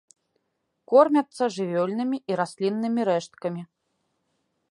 Кормяцца жывёльнымі і расліннымі рэшткамі.